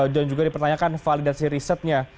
juga dipertanyakan validasi risetnya